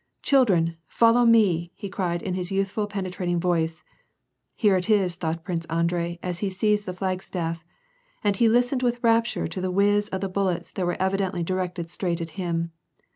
"Children, follow me!" he cried in his youthfully penetra ting voice. " Here it is," thought Prince Andrei as he seized the flagstaff ; and he listened with rapture to the whizz of the ballets, that were evidently directed straight at him.